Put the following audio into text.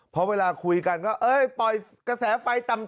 เพราะเวลาคุยกันก็เอ้ยปล่อยกระแสไฟต่ำ